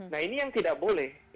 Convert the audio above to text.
nah ini yang tidak boleh